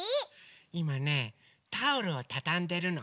いまねタオルをたたんでるの。